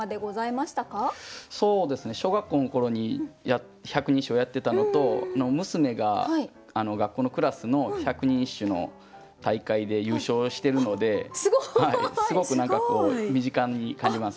そうですね小学校の頃に百人一首をやってたのと娘が学校のクラスの百人一首の大会で優勝してるのですごく身近に感じます。